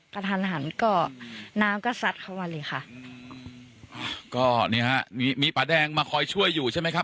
กระทันหันก็น้ำก็ซัดเข้ามาเลยค่ะก็นี่ฮะมีมีป่าแดงมาคอยช่วยอยู่ใช่ไหมครับ